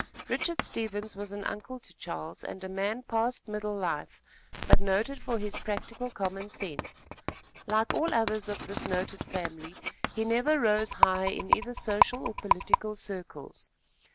Richard Stevens was an uncle to Charles, and a man past middle life, but noted for his practical common sense. Like all others of this noted family, he never rose high in either social or political circles.